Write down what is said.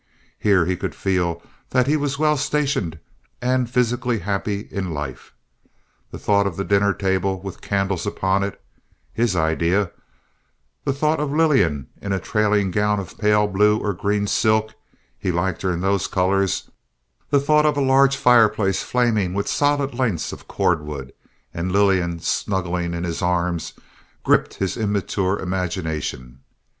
Here he could feel that he was well stationed and physically happy in life. The thought of the dinner table with candles upon it (his idea); the thought of Lillian in a trailing gown of pale blue or green silk—he liked her in those colors; the thought of a large fireplace flaming with solid lengths of cord wood, and Lillian snuggling in his arms, gripped his immature imagination.